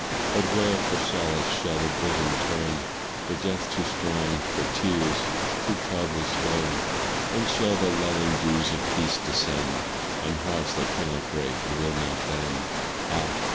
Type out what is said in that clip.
But where, for solace, shall the bosom turn For death too strong for tears too proudly stern? When shall the lulling dews of peace descend On hearts that cannot break and will not bend? Ah!